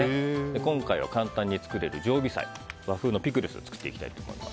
今回は簡単に作れる常備菜和風のピクルスを作っていきたいと思います。